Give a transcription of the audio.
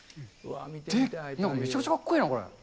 なんかめちゃくちゃかっこいいな、これ。